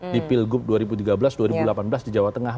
di pilgub dua ribu tiga belas dua ribu delapan belas di jawa tengah